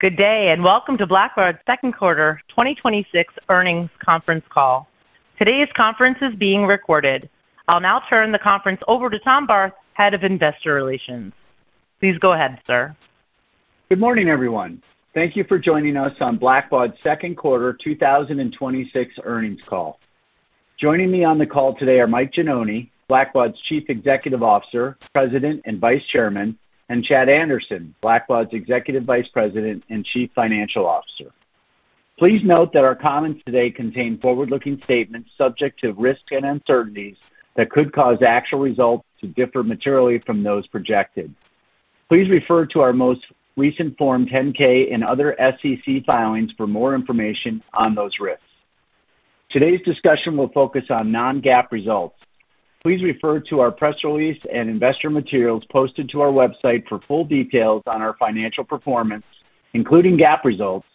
Good day, welcome to Blackbaud's Second Quarter 2026 Earnings Conference Call. Today's conference is being recorded. I'll now turn the conference over to Tom Barth, Head of Investor Relations. Please go ahead, sir. Good morning, everyone. Thank you for joining us on Blackbaud's second quarter 2026 earnings call. Joining me on the call today are Mike Gianoni, Blackbaud's Chief Executive Officer, President, and Vice Chairman, and Chad Anderson, Blackbaud's Executive Vice President and Chief Financial Officer. Please note that our comments today contain forward-looking statements subject to risks and uncertainties that could cause actual results to differ materially from those projected. Please refer to our most recent Form 10-K and other SEC filings for more information on those risks. Today's discussion will focus on non-GAAP results. Please refer to our press release and investor materials posted to our website for full details on our financial performance, including GAAP results,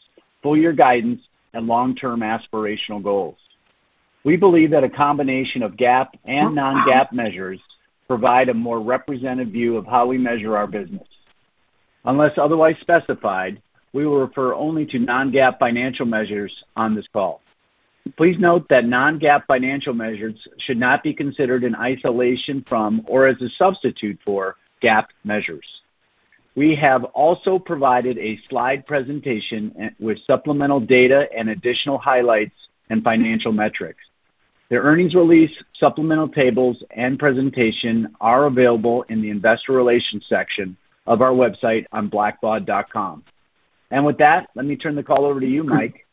full year guidance, and long-term aspirational goals. We believe that a combination of GAAP and non-GAAP measures provide a more representative view of how we measure our business. Unless otherwise specified, we will refer only to non-GAAP financial measures on this call. Please note that non-GAAP financial measures should not be considered in isolation from or as a substitute for GAAP measures. We have also provided a slide presentation with supplemental data and additional highlights and financial metrics. The earnings release, supplemental tables, and presentation are available in the investor relations section of our website on blackbaud.com. With that, let me turn the call over to you, Mike.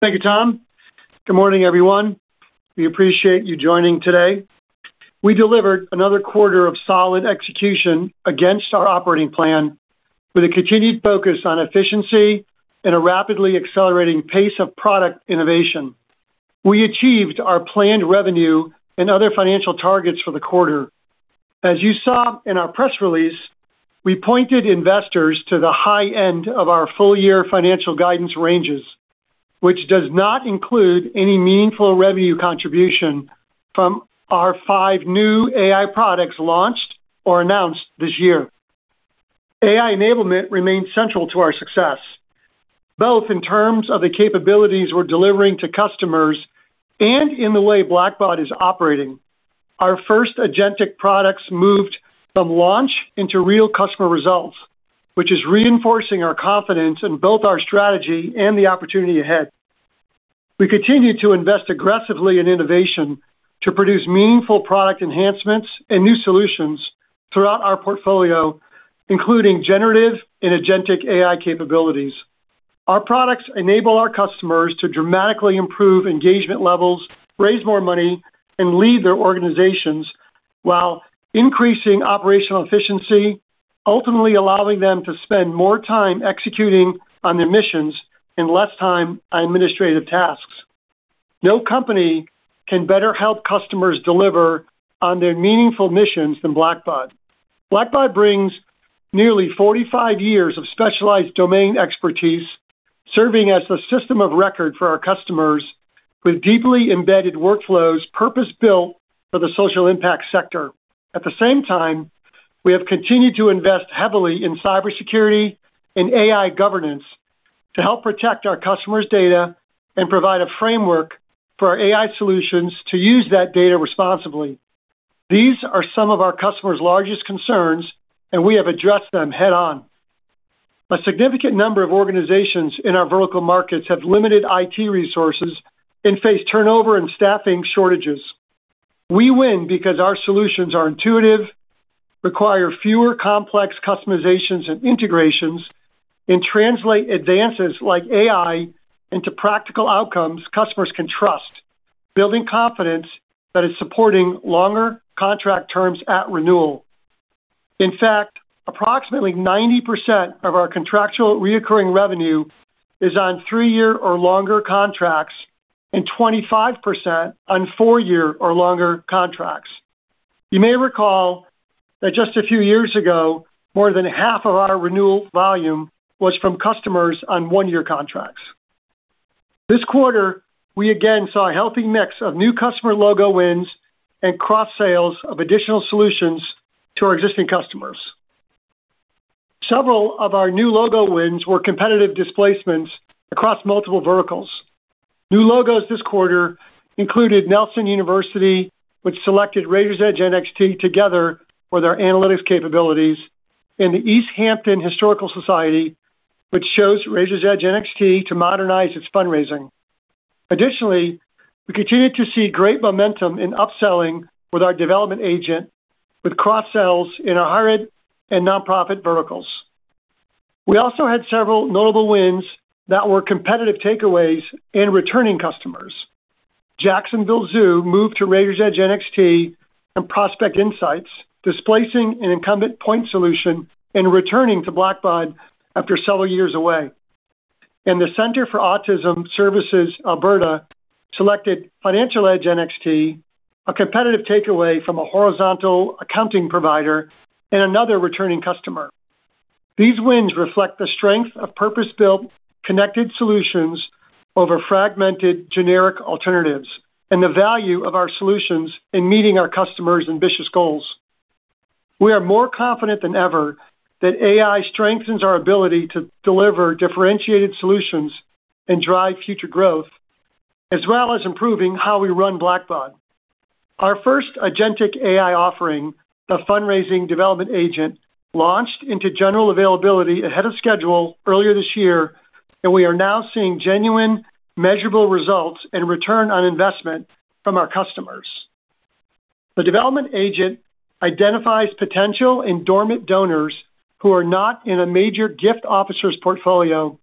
Thank you, Tom. Good morning, everyone. We appreciate you joining today. We delivered another quarter of solid execution against our operating plan with a continued focus on efficiency and a rapidly accelerating pace of product innovation. We achieved our planned revenue and other financial targets for the quarter. As you saw in our press release, we pointed investors to the high end of our full year financial guidance ranges, which does not include any meaningful revenue contribution from our five new AI products launched or announced this year. AI enablement remains central to our success, both in terms of the capabilities we're delivering to customers and in the way Blackbaud is operating. Our first agentic products moved from launch into real customer results, which is reinforcing our confidence in both our strategy and the opportunity ahead. We continue to invest aggressively in innovation to produce meaningful product enhancements and new solutions throughout our portfolio, including generative and agentic AI capabilities. Our products enable our customers to dramatically improve engagement levels, raise more money, and lead their organizations while increasing operational efficiency, ultimately allowing them to spend more time executing on their missions and less time on administrative tasks. No company can better help customers deliver on their meaningful missions than Blackbaud. Blackbaud brings nearly 45 years of specialized domain expertise, serving as the system of record for our customers with deeply embedded workflows purpose-built for the social impact sector. At the same time, we have continued to invest heavily in cybersecurity and AI governance to help protect our customers' data and provide a framework for our AI solutions to use that data responsibly. These are some of our customers' largest concerns. We have addressed them head-on. A significant number of organizations in our vertical markets have limited IT resources and face turnover and staffing shortages. We win because our solutions are intuitive, require fewer complex customizations and integrations, and translate advances like AI into practical outcomes customers can trust, building confidence that is supporting longer contract terms at renewal. In fact, approximately 90% of our contractual reoccurring revenue is on three-year or longer contracts and 25% on four-year or longer contracts. You may recall that just a few years ago, more than half of our renewal volume was from customers on one-year contracts. This quarter, we again saw a healthy mix of new customer logo wins and cross-sales of additional solutions to our existing customers. Several of our new logo wins were competitive displacements across multiple verticals. New logos this quarter included Nelson University, which selected Raiser's Edge NXT together with our analytics capabilities, and the East Hampton Historical Society, which chose Raiser's Edge NXT to modernize its fundraising. Additionally, we continue to see great momentum in upselling with our Development Agent with cross-sales in our higher ed and nonprofit verticals. We also had several notable wins that were competitive takeaways and returning customers. Jacksonville Zoo moved to Raiser's Edge NXT and Prospect Insights, displacing an incumbent point solution and returning to Blackbaud after several years away. The Centre for Autism Services Alberta selected Financial Edge NXT, a competitive takeaway from a horizontal accounting provider and another returning customer. These wins reflect the strength of purpose-built, connected solutions over fragmented generic alternatives and the value of our solutions in meeting our customers' ambitious goals. We are more confident than ever that AI strengthens our ability to deliver differentiated solutions and drive future growth, as well as improving how we run Blackbaud. Our first agentic AI offering, the fundraising Development Agent, launched into general availability ahead of schedule earlier this year. We are now seeing genuine, measurable results and return on investment from our customers. The Development Agent identifies potential and dormant donors who are not in a major gift officer's portfolio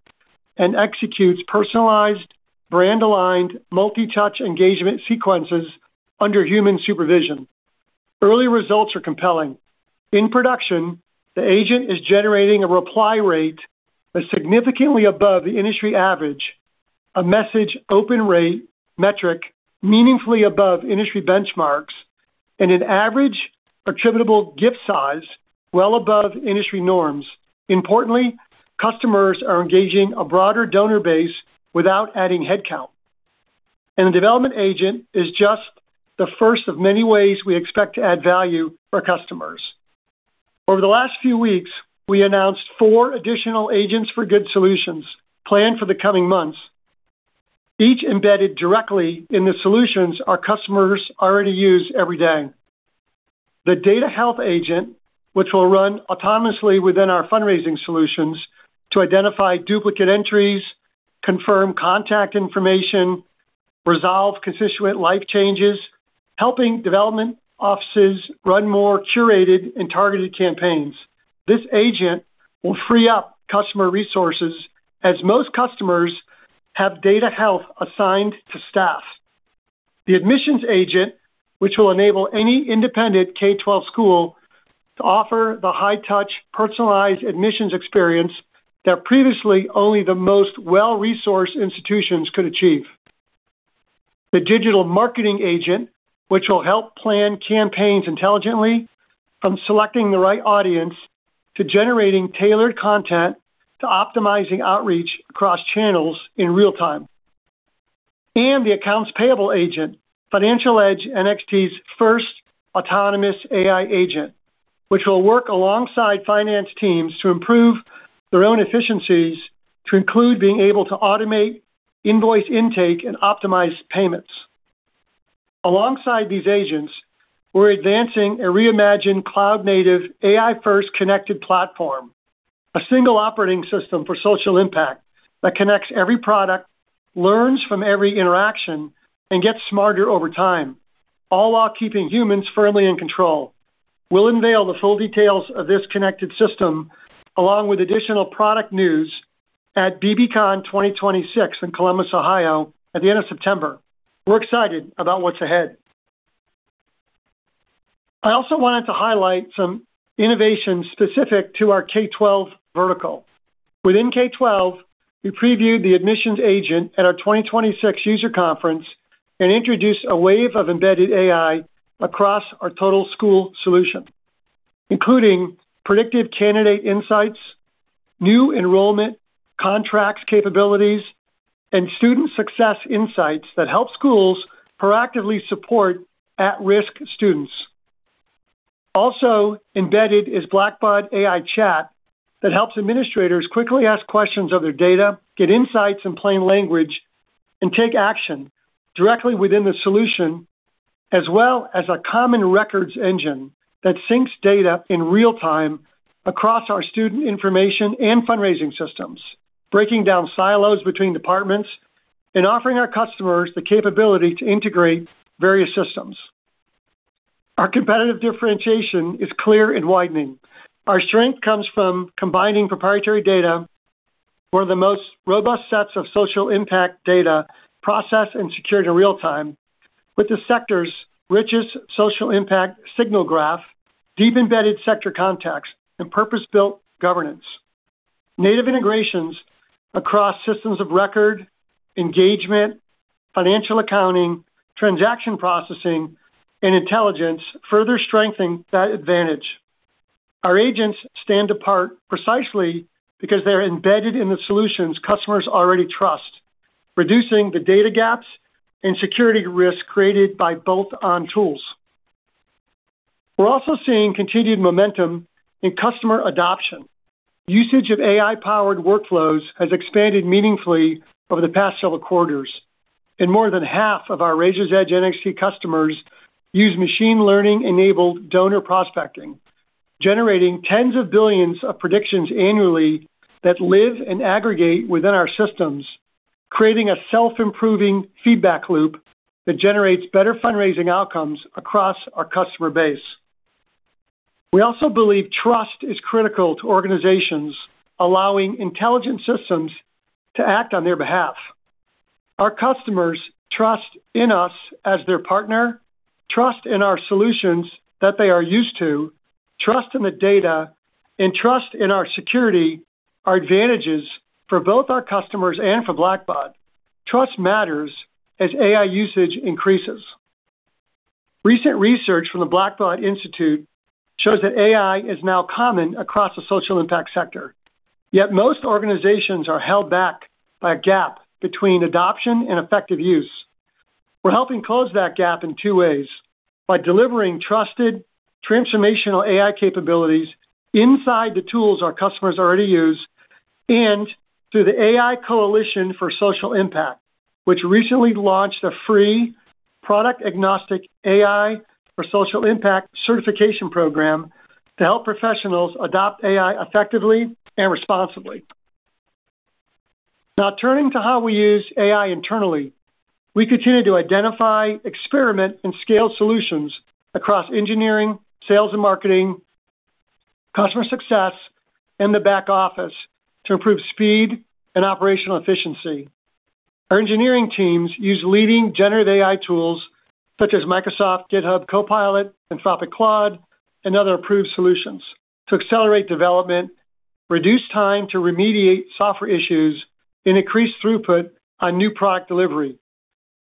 and executes personalized, brand-aligned, multi-touch engagement sequences under human supervision. Early results are compelling. In production, the agent is generating a reply rate that's significantly above the industry average, a message open rate metric meaningfully above industry benchmarks, and an average attributable gift size well above industry norms. Importantly, customers are engaging a broader donor base without adding headcount. The Development Agent is just the first of many ways we expect to add value for customers. Over the last few weeks, we announced four additional Agents for Good solutions planned for the coming months, each embedded directly in the solutions our customers already use every day. The Data Health Agent, which will run autonomously within our fundraising solutions to identify duplicate entries, confirm contact information, resolve constituent life changes, helping development offices run more curated and targeted campaigns. This agent will free up customer resources as most customers have data health assigned to staff. The Admissions Agent, which will enable any independent K-12 school to offer the high-touch personalized admissions experience that previously only the most well-resourced institutions could achieve. The Digital Marketing Agent, which will help plan campaigns intelligently, from selecting the right audience, to generating tailored content, to optimizing outreach across channels in real time. The Accounts Payable Agent, Financial Edge NXT's first autonomous AI agent, which will work alongside finance teams to improve their own efficiencies to include being able to automate invoice intake and optimize payments. Alongside these agents, we're advancing a reimagined cloud-native, AI-first connected platform, a single operating system for social impact that connects every product, learns from every interaction, and gets smarter over time, all while keeping humans firmly in control. We'll unveil the full details of this connected system, along with additional product news at bbcon 2026 in Columbus, Ohio at the end of September. We're excited about what's ahead. I also wanted to highlight some innovations specific to our K-12 vertical. Within K-12, we previewed the Admissions Agent at our bbcon 2026 user conference and introduced a wave of embedded AI across our total school solution, including predictive candidate insights, new enrollment contracts capabilities, and student success insights that help schools proactively support at-risk students. Also embedded is Chat for Blackbaud AI that helps administrators quickly ask questions of their data, get insights in plain language, and take action directly within the solution, as well as a common records engine that syncs data in real-time across our student information and fundraising systems, breaking down silos between departments and offering our customers the capability to integrate various systems. Our competitive differentiation is clear and widening. Our strength comes from combining proprietary data, one of the most robust sets of social impact data processed and secured in real-time with the sector's richest social impact signal graph, deep embedded sector context, and purpose-built governance. Native integrations across systems of record, engagement, financial accounting, transaction processing, and intelligence further strengthen that advantage. Our agents stand apart precisely because they're embedded in the solutions customers already trust, reducing the data gaps and security risks created by bolt-on tools. We're also seeing continued momentum in customer adoption. Usage of AI-powered workflows has expanded meaningfully over the past several quarters. More than half of our Raiser's Edge NXT customers use machine learning-enabled donor prospecting, generating tens of billions of predictions annually that live and aggregate within our systems, creating a self-improving feedback loop that generates better fundraising outcomes across our customer base. We also believe trust is critical to organizations allowing intelligent systems to act on their behalf. Our customers trust in us as their partner, trust in our solutions that they are used to, trust in the data, and trust in our security are advantages for both our customers and for Blackbaud. Trust matters as AI usage increases. Recent research from the Blackbaud Institute shows that AI is now common across the social impact sector. Yet most organizations are held back by a gap between adoption and effective use. We're helping close that gap in two ways, by delivering trusted, transformational AI capabilities inside the tools our customers already use, and through the AI Coalition for Social Impact, which recently launched a free product-agnostic AI for Social Impact Certification Program to help professionals adopt AI effectively and responsibly. Turning to how we use AI internally. We continue to identify, experiment, and scale solutions across engineering, sales and marketing, customer success, and the back office to improve speed and operational efficiency. Our engineering teams use leading generative AI tools such as Microsoft, GitHub Copilot, Anthropic Claude, and other approved solutions to accelerate development, reduce time to remediate software issues, and increase throughput on new product delivery.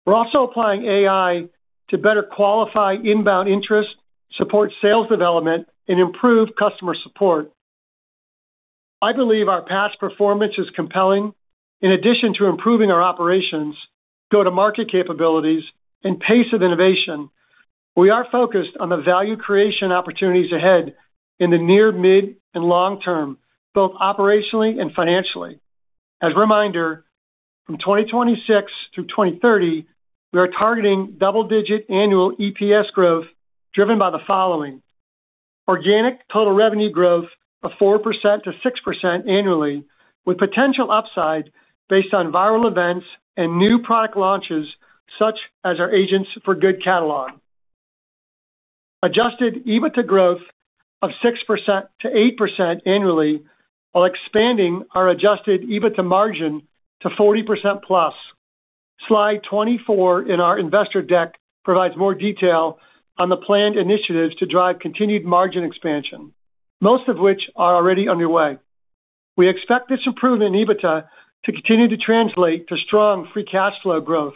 We're also applying AI to better qualify inbound interest, support sales development, and improve customer support. I believe our past performance is compelling. In addition to improving our operations, go-to-market capabilities, and pace of innovation, we are focused on the value creation opportunities ahead in the near, mid, and long term, both operationally and financially. As a reminder, from 2026 through 2030, we are targeting double-digit annual EPS growth driven by the following. Organic total revenue growth of 4%-6% annually, with potential upside based on viral events and new product launches such as our Agents for Good catalog. Adjusted EBITDA growth of 6%-8% annually while expanding our Adjusted EBITDA margin to 40%+. Slide 24 in our investor deck provides more detail on the planned initiatives to drive continued margin expansion, most of which are already underway. We expect this improvement in EBITDA to continue to translate to strong free cash flow growth.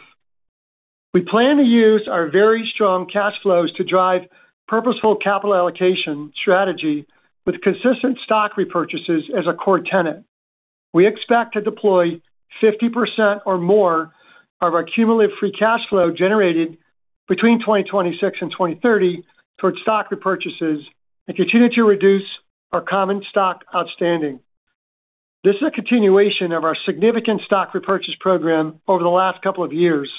We plan to use our very strong cash flows to drive purposeful capital allocation strategy with consistent stock repurchases as a core tenet. We expect to deploy 50% or more of our cumulative free cash flow generated between 2026 and 2030 towards stock repurchases and continue to reduce our common stock outstanding. This is a continuation of our significant stock repurchase program over the last couple of years,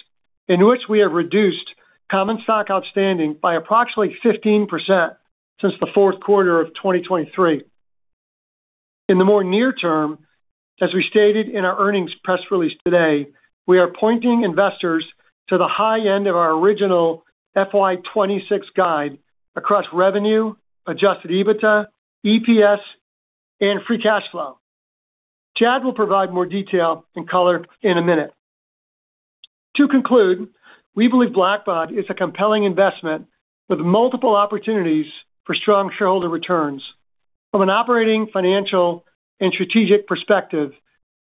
in which we have reduced common stock outstanding by approximately 15% since the fourth quarter of 2023. In the more near term, as we stated in our earnings press release today, we are pointing investors to the high end of our original FY 2026 guide across revenue, Adjusted EBITDA, EPS, and free cash flow. Chad will provide more detail and color in a minute. Conclude, we believe Blackbaud is a compelling investment with multiple opportunities for strong shareholder returns. From an operating, financial, and strategic perspective,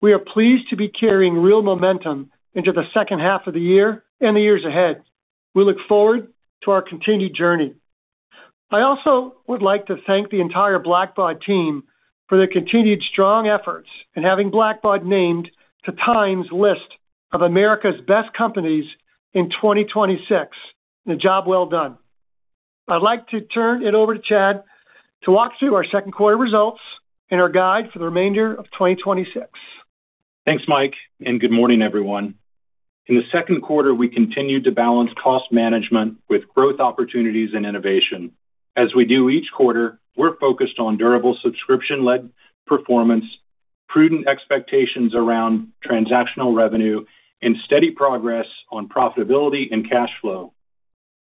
we are pleased to be carrying real momentum into the second half of the year and the years ahead. We look forward to our continued journey. I also would like to thank the entire Blackbaud team for their continued strong efforts in having Blackbaud named to TIME's list of America's Best Companies in 2026, a job well done. I'd like to turn it over to Chad to walk through our second quarter results and our guide for the remainder of 2026. Thanks, Mike, and good morning, everyone. In the second quarter, we continued to balance cost management with growth opportunities and innovation. As we do each quarter, we're focused on durable subscription-led performance, prudent expectations around transactional revenue, and steady progress on profitability and cash flow.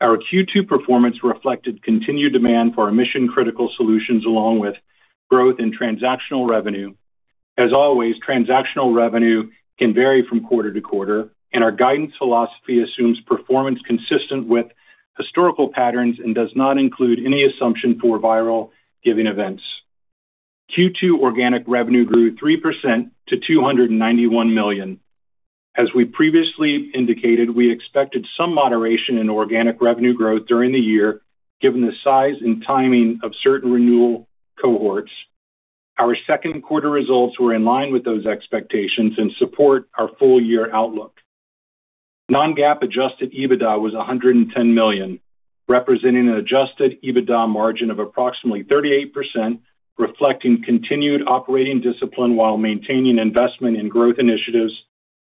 Our Q2 performance reflected continued demand for our mission-critical solutions, along with growth in transactional revenue. As always, transactional revenue can vary from quarter to quarter, and our guidance philosophy assumes performance consistent with historical patterns and does not include any assumption for viral giving events. Q2 organic revenue grew 3% to $291 million. As we previously indicated, we expected some moderation in organic revenue growth during the year, given the size and timing of certain renewal cohorts. Our second quarter results were in line with those expectations and support our full year outlook. Non-GAAP Adjusted EBITDA was $110 million, representing an Adjusted EBITDA margin of approximately 38%, reflecting continued operating discipline while maintaining investment in growth initiatives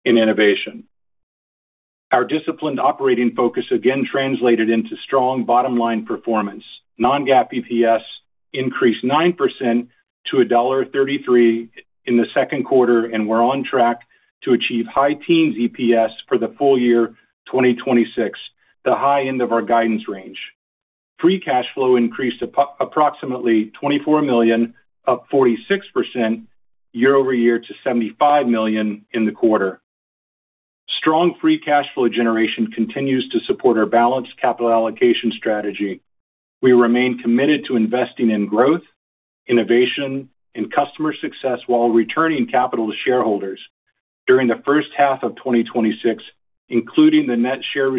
and innovation. Our disciplined operating focus again translated into strong bottom-line performance. non-GAAP EPS increased 9% to $1.33 in the second quarter. We're on track to achieve high teens EPS for the full year 2026, the high end of our guidance range. Free cash flow increased approximately $24 million, up 46% year-over-year to $75 million in the quarter. Strong free cash flow generation continues to support our balanced capital allocation strategy. We remain committed to investing in growth, innovation, and customer success while returning capital to shareholders. During the first half of 2026, including the net share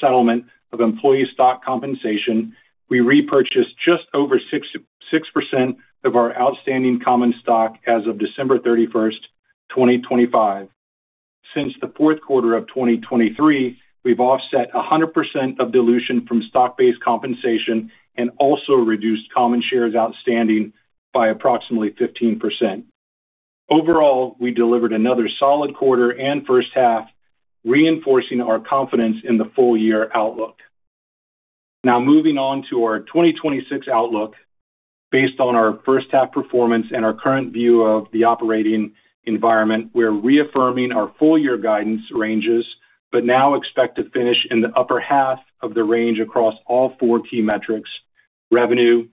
settlement of employee stock compensation, we repurchased just over 6% of our outstanding common stock as of December 31st, 2025. Since the fourth quarter of 2023, we've offset 100% of dilution from stock-based compensation and also reduced common shares outstanding by approximately 15%. Overall, we delivered another solid quarter and first half, reinforcing our confidence in the full-year outlook. Moving on to our 2026 outlook. Based on our first half performance and our current view of the operating environment, we're reaffirming our full year guidance ranges. We now expect to finish in the upper half of the range across all four key metrics: revenue,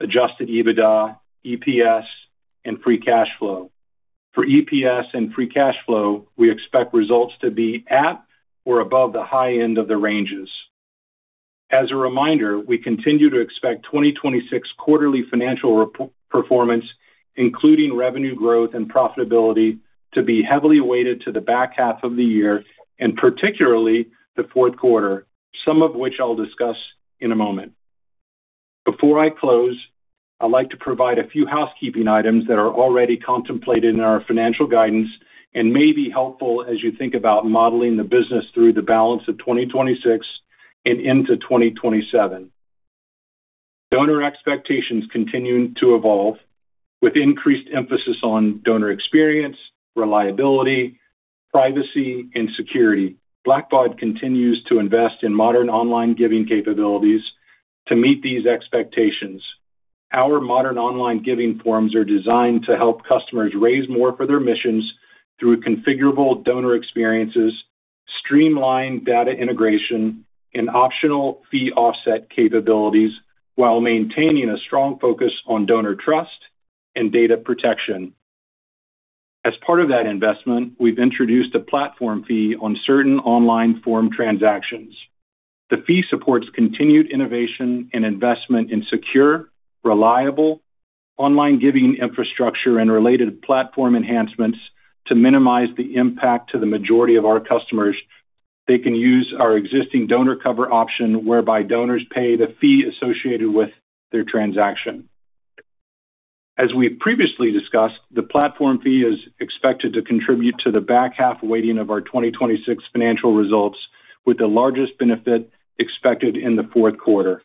Adjusted EBITDA, EPS, and free cash flow. For EPS and free cash flow, we expect results to be at or above the high end of the ranges. As a reminder, we continue to expect 2026 quarterly financial performance, including revenue growth and profitability, to be heavily weighted to the back half of the year, and particularly the fourth quarter, some of which I'll discuss in a moment. Before I close, I'd like to provide a few housekeeping items that are already contemplated in our financial guidance and may be helpful as you think about modeling the business through the balance of 2026 and into 2027. Donor expectations continue to evolve with increased emphasis on donor experience, reliability, privacy, and security. Blackbaud continues to invest in modern online giving capabilities to meet these expectations. Our modern online giving forms are designed to help customers raise more for their missions through configurable donor experiences, streamlined data integration, and optional fee offset capabilities while maintaining a strong focus on donor trust and data protection. Part of that investment, we've introduced a platform fee on certain online form transactions. The fee supports continued innovation and investment in secure, reliable online giving infrastructure and related platform enhancements to minimize the impact to the majority of our customers. They can use our existing donor cover option, whereby donors pay the fee associated with their transaction. We previously discussed, the platform fee is expected to contribute to the back half weighting of our 2026 financial results, with the largest benefit expected in the fourth quarter.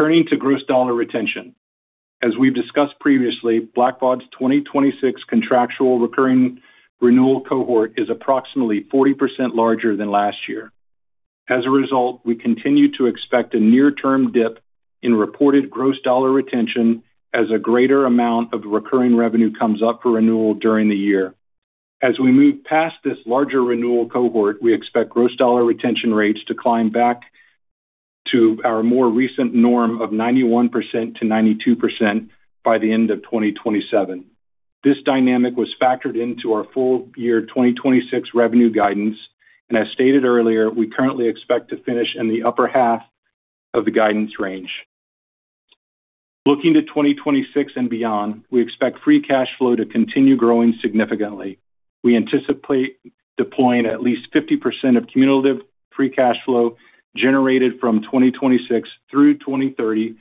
Turning to gross dollar retention. We've discussed previously, Blackbaud's 2026 contractual recurring renewal cohort is approximately 40% larger than last year. A result, we continue to expect a near-term dip in reported gross dollar retention as a greater amount of recurring revenue comes up for renewal during the year. As we move past this larger renewal cohort, we expect gross dollar retention rates to climb back to our more recent norm of 91%-92% by the end of 2027. This dynamic was factored into our full year 2026 revenue guidance, and as stated earlier, we currently expect to finish in the upper half of the guidance range. Looking to 2026 and beyond, we expect free cash flow to continue growing significantly. We anticipate deploying at least 50% of cumulative free cash flow generated from 2026 through 2030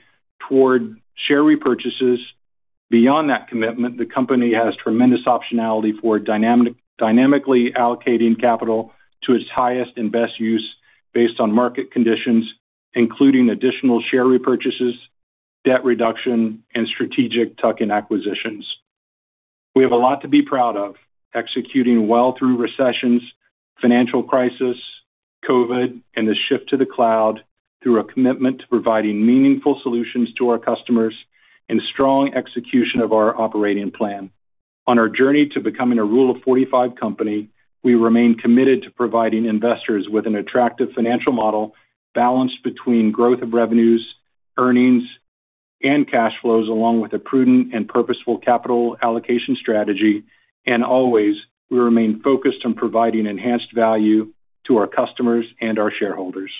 toward share repurchases. Beyond that commitment, the company has tremendous optionality for dynamically allocating capital to its highest and best use based on market conditions, including additional share repurchases, debt reduction, and strategic tuck-in acquisitions. We have a lot to be proud of, executing well through recessions, financial crisis, COVID, and the shift to the cloud through a commitment to providing meaningful solutions to our customers and strong execution of our operating plan. On our journey to becoming a Rule of 45 company, we remain committed to providing investors with an attractive financial model balanced between growth of revenues, earnings, and cash flows, along with a prudent and purposeful capital allocation strategy. Always, we remain focused on providing enhanced value to our customers and our shareholders.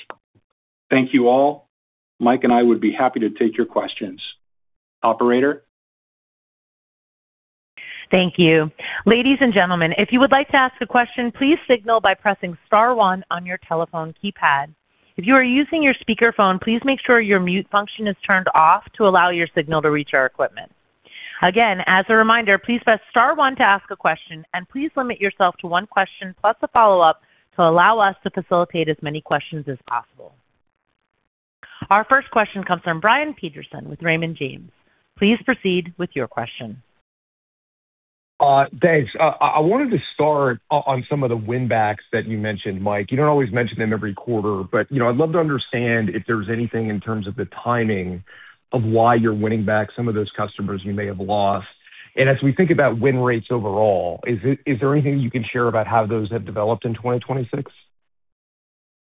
Thank you all. Mike and I would be happy to take your questions. Operator? Thank you. Ladies and gentlemen, if you would like to ask a question, please signal by pressing star one on your telephone keypad. If you are using your speakerphone, please make sure your mute function is turned off to allow your signal to reach our equipment. Again, as a reminder, please press star one to ask a question and please limit yourself to one question plus a follow-up to allow us to facilitate as many questions as possible. Our first question comes from Brian Peterson with Raymond James. Please proceed with your question. Thanks. I wanted to start on some of the win backs that you mentioned, Mike. You don't always mention them every quarter, but I'd love to understand if there's anything in terms of the timing of why you're winning back some of those customers you may have lost. As we think about win rates overall, is there anything you can share about how those have developed in 2026?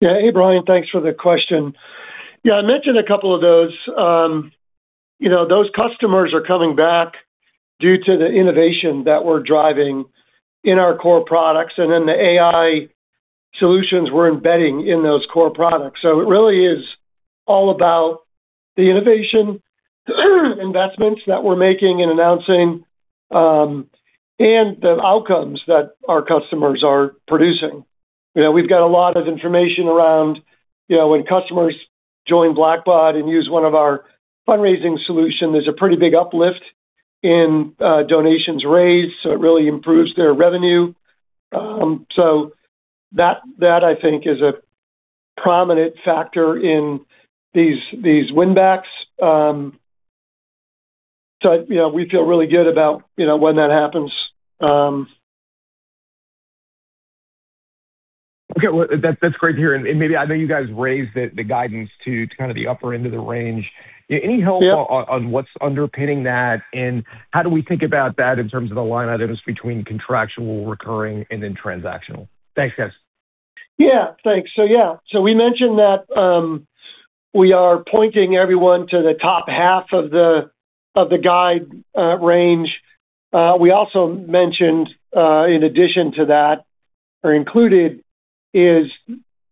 Yeah. Hey, Brian. Thanks for the question. Yeah, I mentioned a couple of those. Those customers are coming back due to the innovation that we're driving in our core products. The AI Solutions we're embedding in those core products. It really is all about the innovation investments that we're making and announcing, and the outcomes that our customers are producing. We've got a lot of information around when customers join Blackbaud and use one of our fundraising solution, there's a pretty big uplift in donations raised, it really improves their revenue. That I think is a prominent factor in these win backs. We feel really good about when that happens. Okay. Well, that's great to hear. I know you guys raised the guidance to kind of the upper end of the range. Any help- Yeah On what's underpinning that, and how do we think about that in terms of the line items between contractual, recurring, and then transactional? Thanks, guys. Yeah, thanks. We mentioned that we are pointing everyone to the top half of the guide range. We also mentioned, in addition to that, or included, is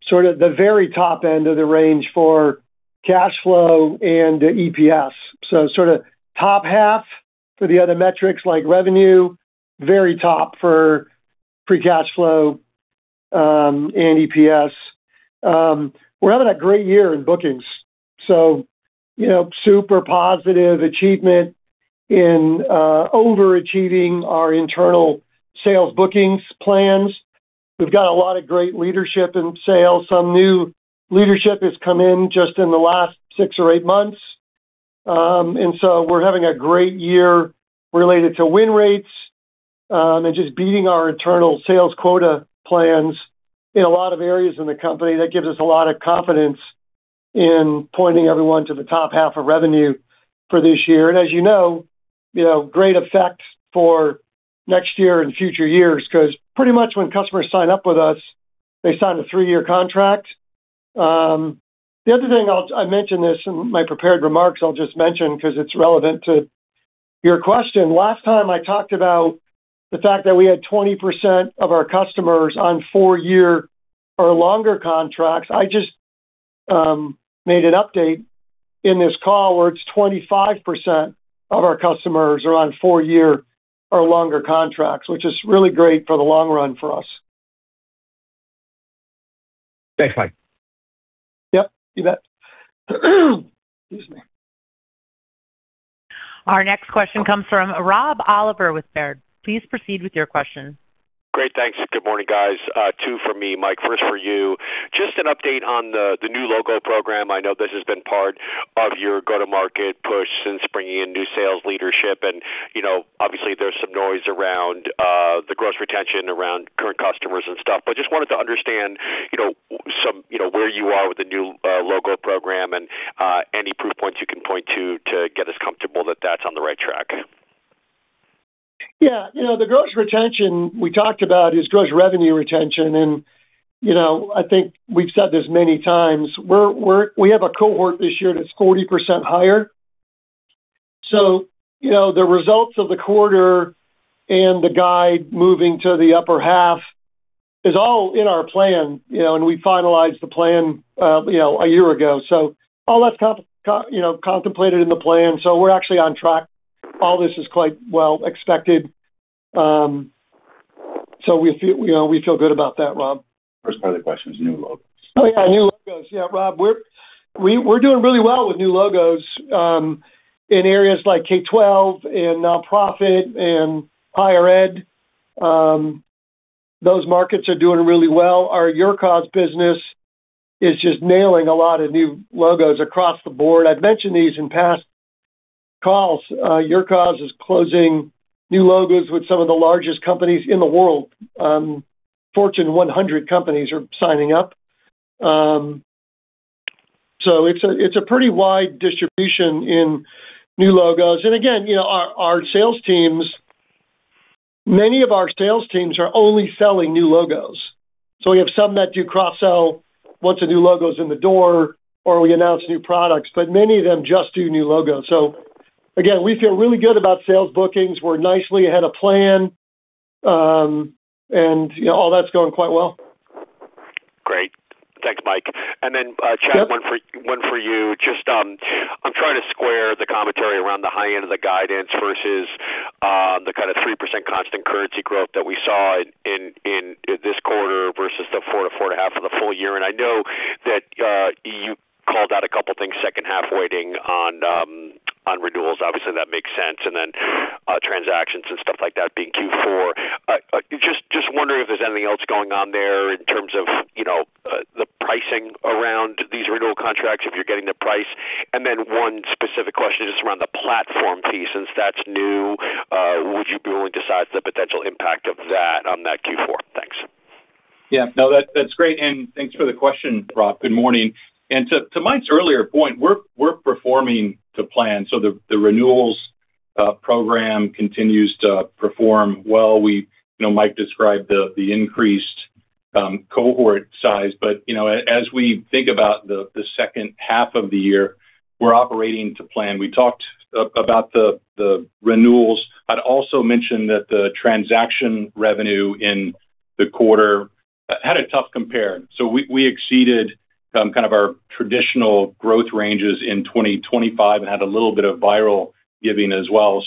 sort of the very top end of the range for cash flow and EPS. Sort of top half for the other metrics like revenue, very top for free cash flow, and EPS. We're having a great year in bookings. Super positive achievement in overachieving our internal sales bookings plans. We've got a lot of great leadership in sales. Some new leadership has come in just in the last six or eight months. We're having a great year related to win rates, and just beating our internal sales quota plans in a lot of areas in the company. That gives us a lot of confidence in pointing everyone to the top half of revenue for this year. As you know, great effect for next year and future years, because pretty much when customers sign up with us, they sign a three-year contract. The other thing, I mentioned this in my prepared remarks, I'll just mention because it's relevant to your question. Last time I talked about the fact that we had 20% of our customers on four-year or longer contracts. I just made an update in this call where it's 25% of our customers are on four-year or longer contracts, which is really great for the long run for us. Thanks, Mike. Yep, you bet. Excuse me. Our next question comes from Rob Oliver with Baird. Please proceed with your question. Great. Thanks. Good morning, guys. Two for me. Mike, first for you. Just an update on the new logo program. I know this has been part of your go-to-market push since bringing in new sales leadership, and obviously, there's some noise around the gross retention around current customers and stuff. Just wanted to understand where you are with the new logo program and any proof points you can point to get us comfortable that that's on the right track. Yeah. The gross retention we talked about is gross revenue retention, and I think we've said this many times. We have a cohort this year that's 40% higher. The results of the quarter and the guide moving to the upper half is all in our plan, and we finalized the plan a year ago. All that's contemplated in the plan, so we're actually on track. All this is quite well expected. We feel good about that, Rob. First part of the question is new logos. Oh, yeah. New logos. Yeah, Rob, we're doing really well with new logos, in areas like K-12, and nonprofit, and higher ed. Those markets are doing really well. Our YourCause business is just nailing a lot of new logos across the board. I've mentioned these in past calls. YourCause is closing new logos with some of the largest companies in the world. Fortune 100 companies are signing up. It's a pretty wide distribution in new logos. Again, many of our sales teams are only selling new logos. We have some that do cross-sell once a new logo's in the door or we announce new products, but many of them just do new logos. Again, we feel really good about sales bookings. We're nicely ahead of plan. All that's going quite well. Great. Thanks, Mike. Yep Chad, one for you. I'm trying to square the commentary around the high end of the guidance versus the kind of 3% constant currency growth that we saw in this quarter versus the 4%-4.5% for the full year. I know that you called out a couple things, second half waiting on renewals, obviously that makes sense. Then transactions and stuff like that being Q4. Just wondering if there's anything else going on there in terms of the pricing around these renewal contracts, if you're getting the price. Then one specific question, just around the platform fee, since that's new, would you be willing to size the potential impact of that on that Q4? Thanks. Yeah. No, that's great. Thanks for the question, Rob. Good morning. To Mike's earlier point, we're performing to plan. The renewals program continues to perform well. Mike described the increased cohort size. As we think about the second half of the year, we're operating to plan. We talked about the renewals. I'd also mention that the transaction revenue in the quarter Had a tough compare. We exceeded kind of our traditional growth ranges in 2025, and had a little bit of viral giving as well.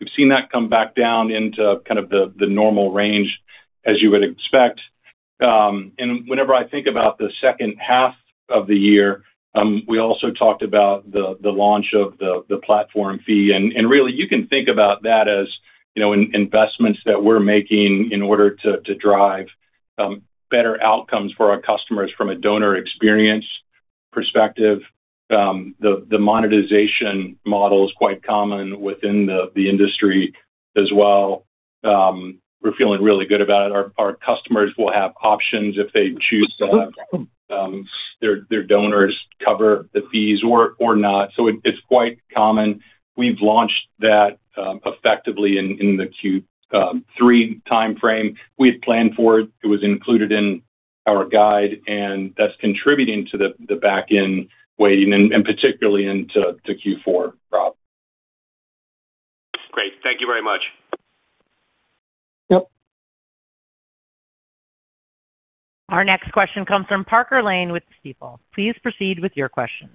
We've seen that come back down into kind of the normal range as you would expect. Whenever I think about the second half of the year, we also talked about the launch of the platform fee. Really, you can think about that as investments that we're making in order to drive better outcomes for our customers from a donor experience perspective. The monetization model is quite common within the industry as well. We're feeling really good about it. Our customers will have options if they choose to have their donors cover the fees or not. It's quite common. We've launched that effectively in the Q3 timeframe. We had planned for it. It was included in our guide, that's contributing to the back end weighting and particularly into Q4, Rob. Great. Thank you very much. Yep. Our next question comes from Parker Lane with Stifel. Please proceed with your question.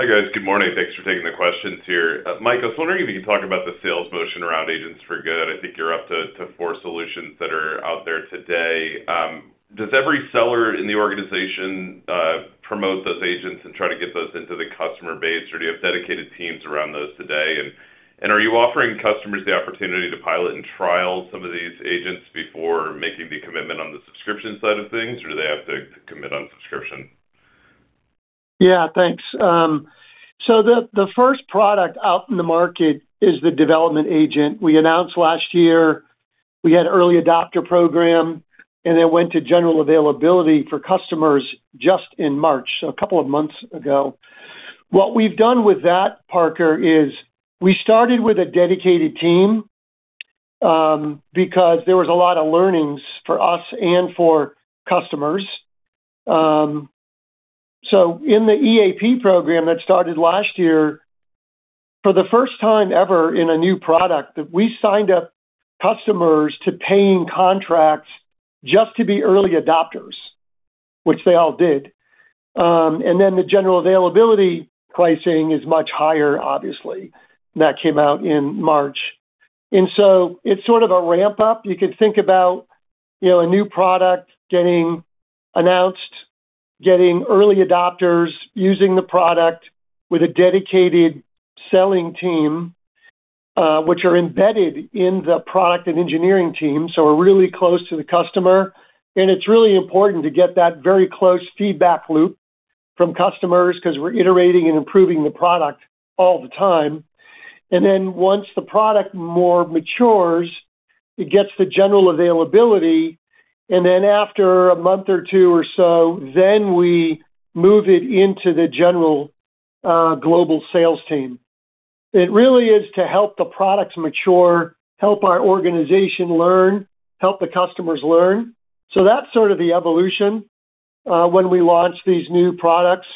Hi, guys. Good morning. Thanks for taking the questions here. Mike, I was wondering if you could talk about the sales motion around Agents for Good. I think you're up to four solutions that are out there today. Does every seller in the organization promote those agents and try to get those into the customer base, or do you have dedicated teams around those today? Are you offering customers the opportunity to pilot and trial some of these agents before making the commitment on the subscription side of things, or do they have to commit on subscription? Yeah, thanks. The first product out in the market is the Development Agent. We announced last year we had early adopter program, and it went to general availability for customers just in March, so a couple of months ago. What we've done with that, Parker, is we started with a dedicated team, because there was a lot of learnings for us and for customers. In the EAP program that started last year, for the first time ever in a new product, we signed up customers to paying contracts just to be early adopters, which they all did. The general availability pricing is much higher, obviously. That came out in March. It's sort of a ramp-up. You could think about a new product getting announced, getting early adopters using the product with a dedicated selling team, which are embedded in the product and engineering team. We're really close to the customer, and it's really important to get that very close feedback loop from customers because we're iterating and improving the product all the time. Once the product more matures, it gets to general availability, and then after a month or two or so, then we move it into the general global sales team. It really is to help the products mature, help our organization learn, help the customers learn. That's sort of the evolution when we launch these new products.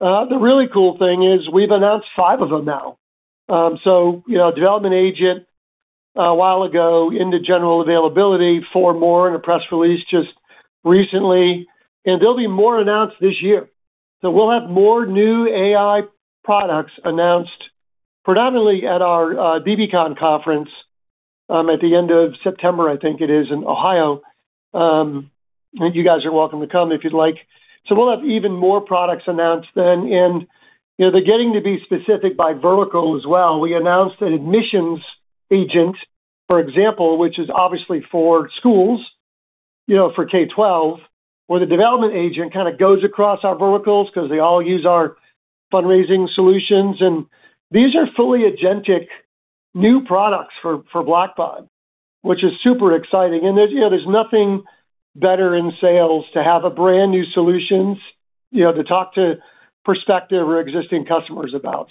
The really cool thing is we've announced five of them now. Development Agent a while ago into general availability, four more in a press release just recently, and there'll be more announced this year. We'll have more new AI products announced, predominantly at our bbcon conference, at the end of September, I think it is, in Ohio. You guys are welcome to come if you'd like. We'll have even more products announced then. They're getting to be specific by vertical as well. We announced an Admissions Agent, for example, which is obviously for schools, for K-12, where the Development Agent kind of goes across our verticals because they all use our fundraising solutions. These are fully agentic new products for Blackbaud, which is super exciting. There's nothing better in sales to have a brand new solutions to talk to prospective or existing customers about.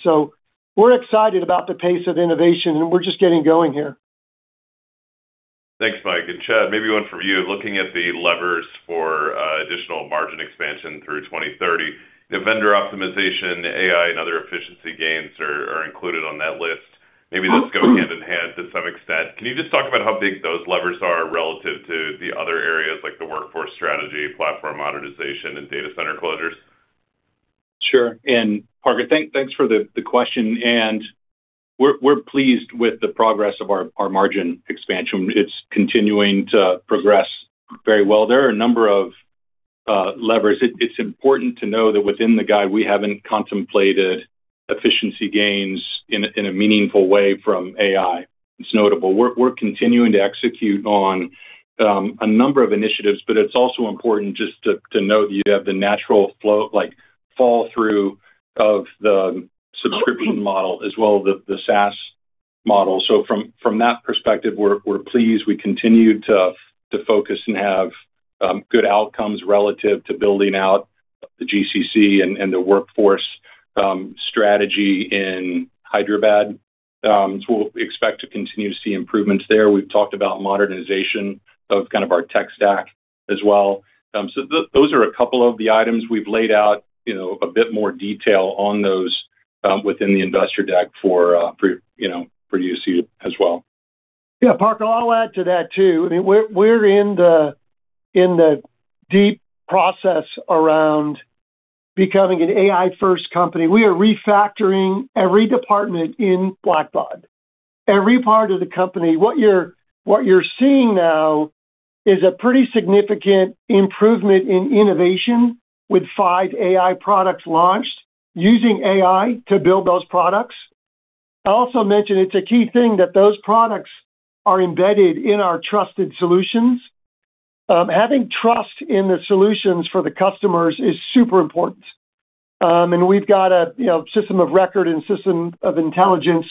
We're excited about the pace of innovation, and we're just getting going here. Thanks, Mike. Chad, maybe one for you. Looking at the levers for additional margin expansion through 2030, vendor optimization, AI, and other efficiency gains are included on that list. Maybe those go hand in hand to some extent. Can you just talk about how big those levers are relative to the other areas, like the workforce strategy, platform modernization, and data center closures? Sure. Parker, thanks for the question. We're pleased with the progress of our margin expansion. It's continuing to progress very well. There are a number of levers. It's important to know that within the guide, we haven't contemplated efficiency gains in a meaningful way from AI. It's notable. We're continuing to execute on a number of initiatives, but it's also important just to note you have the natural fall through of the subscription model as well as the SaaS model. From that perspective, we're pleased. We continue to focus and have good outcomes relative to building out the GCC and the workforce strategy in Hyderabad. We'll expect to continue to see improvements there. We've talked about modernization of kind of our tech stack as well. Those are a couple of the items we've laid out a bit more detail on those. Within the investor deck for use as well. Parker, I'll add to that too. We're in the deep process around becoming an AI-first company. We are refactoring every department in Blackbaud, every part of the company. What you're seeing now is a pretty significant improvement in innovation with five AI products launched using AI to build those products. I also mentioned it's a key thing that those products are embedded in our trusted solutions. Having trust in the solutions for the customers is super important. We've got a system of record and system of intelligence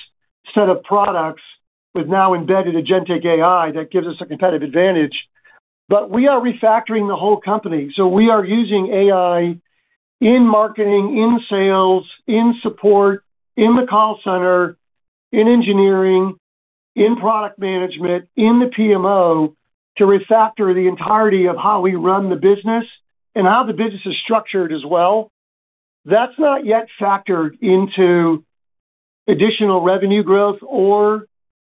set of products with now embedded agentic AI that gives us a competitive advantage. We are refactoring the whole company. We are using AI in marketing, in sales, in support, in the call center, in engineering, in product management, in the PMO to refactor the entirety of how we run the business and how the business is structured as well. That's not yet factored into additional revenue growth or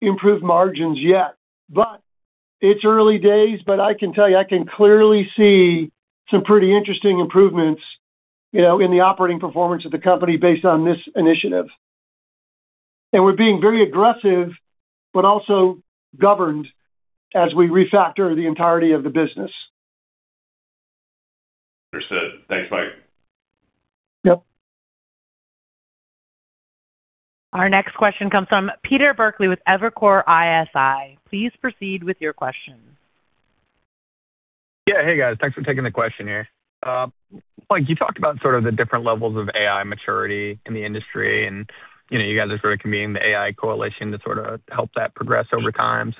improved margins yet, but it's early days. I can tell you, I can clearly see some pretty interesting improvements in the operating performance of the company based on this initiative. We're being very aggressive, but also governed as we refactor the entirety of the business. Understood. Thanks, Mike. Yep. Our next question comes from Peter Berkley with Evercore ISI. Please proceed with your question. Yeah. Hey, guys. Thanks for taking the question here. Mike, you talked about sort of the different levels of AI maturity in the industry, and you guys are sort of convening the AI Coalition to sort of help that progress over time.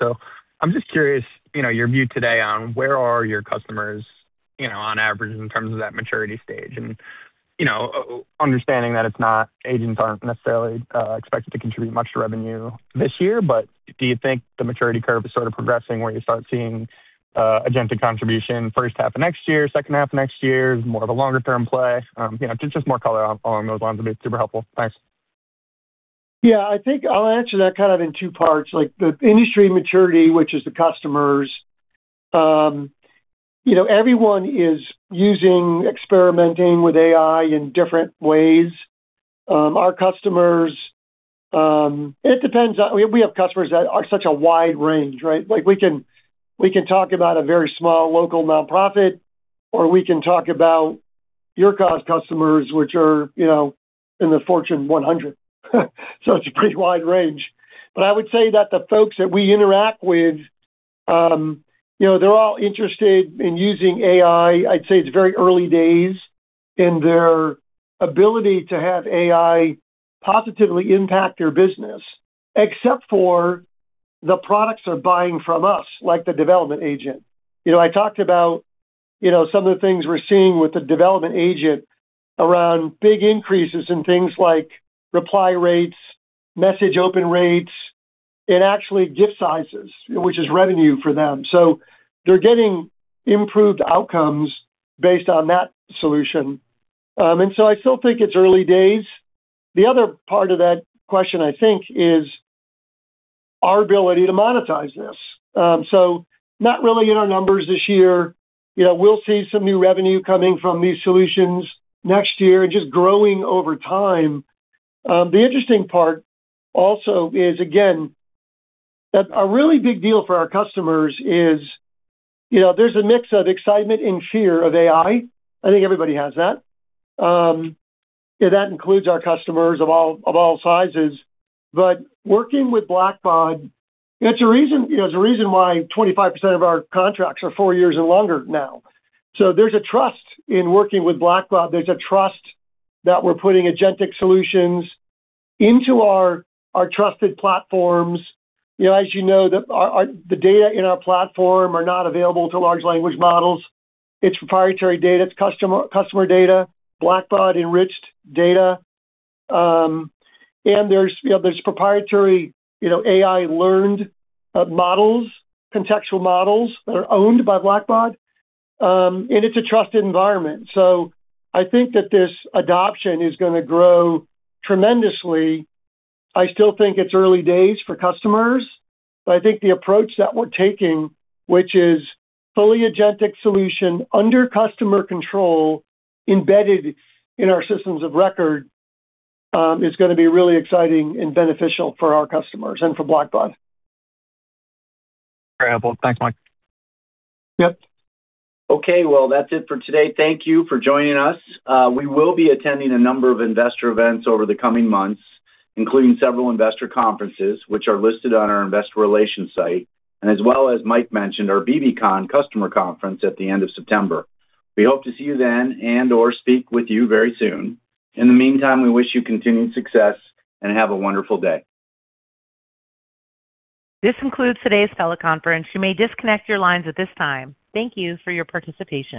I'm just curious, your view today on where are your customers on average in terms of that maturity stage and understanding that agents aren't necessarily expected to contribute much to revenue this year, but do you think the maturity curve is sort of progressing where you start seeing agentic contribution first half of next year, second half of next year? Is it more of a longer-term play? Just more color along those lines would be super helpful. Thanks. Yeah, I think I'll answer that kind of in two parts, like the industry maturity, which is the customers. Everyone is using, experimenting with AI in different ways. Our customers, it depends. We have customers that are such a wide range, right? We can talk about a very small local nonprofit, or we can talk about YourCause customers, which are in the Fortune 100. It's a pretty wide range. I would say that the folks that we interact with, they're all interested in using AI. I'd say it's very early days in their ability to have AI positively impact their business, except for the products they're buying from us, like the Development Agent. I talked about some of the things we're seeing with the Development Agent around big increases in things like reply rates, message open rates, and actually gift sizes, which is revenue for them. They're getting improved outcomes based on that solution. I still think it's early days. The other part of that question, I think, is our ability to monetize this. Not really in our numbers this year. We'll see some new revenue coming from these solutions next year and just growing over time. The interesting part also is, again, that a really big deal for our customers is there's a mix of excitement and fear of AI. I think everybody has that, and that includes our customers of all sizes. But working with Blackbaud, there's a reason why 25% of our contracts are four years and longer now. There's a trust in working with Blackbaud. There's a trust that we're putting agentic solutions into our trusted platforms. As you know, the data in our platform are not available to large language models. It's proprietary data. It's customer data, Blackbaud-enriched data. There's proprietary AI-learned models, contextual models that are owned by Blackbaud, and it's a trusted environment. I think that this adoption is going to grow tremendously. I still think it's early days for customers, but I think the approach that we're taking, which is fully agentic solution under customer control, embedded in our systems of record, is going to be really exciting and beneficial for our customers and for Blackbaud. Very helpful. Thanks, Mike. Yep. Okay, well, that's it for today. Thank you for joining us. We will be attending a number of investor events over the coming months, including several investor conferences, which are listed on our investor relations site, and as well as Mike mentioned, our bbcon customer conference at the end of September. We hope to see you then and/or speak with you very soon. In the meantime, we wish you continued success, and have a wonderful day. This concludes today's teleconference. You may disconnect your lines at this time. Thank you for your participation.